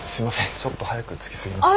ちょっと早く着きすぎました。